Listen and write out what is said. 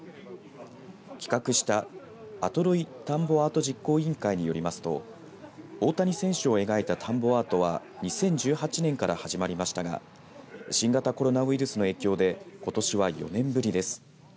企画した跡呂井田んぼアート実行委員会によりますと大谷選手を描いた田んぼアートは２０１８年から始まりましたが新型コロナウイルスの影響でことしは４年ぶりです。